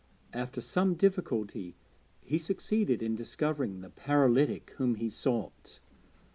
After some difficulty he succeeded in discovering the paralytic whom he sought.